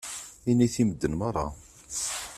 Init i medden meṛṛa.